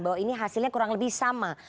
bahwa ini hasilnya kurang lebih sama